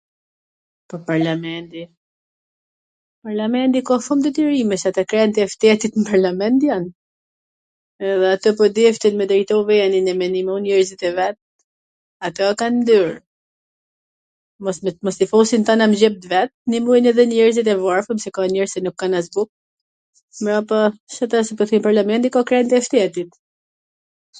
Po parlamenti, parlamenti ka shum detyrime, se dhe krent e shtetit n parlament jan, edhe ata po deshtwn me drejtu venin dhe me nimu njerzit e vet, ato kan n dor mos t'i fusin tana n xhep t vet, pot tw nimojn edhe njerzit e varfwr, se ka njerz qw nuk kan as buk, mrapa parlamenti ka krent e shtetit